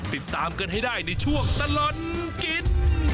ติดตามกันให้ได้ในช่วงตลอดกิน